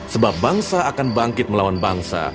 sebab bangsa akan bangkit melawan bangsa